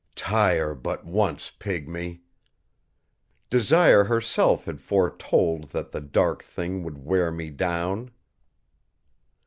Tire but once, pygmy ! Desire herself had foretold that the dark Thing would wear me down.